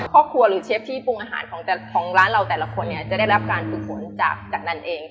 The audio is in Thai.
ครอบครัวหรือเชฟที่ปรุงอาหารของร้านเราแต่ละคนเนี่ยจะได้รับการฝึกฝนจากนั้นเอง